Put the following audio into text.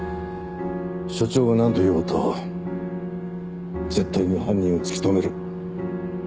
署長がなんと言おうと絶対に犯人を突き止める。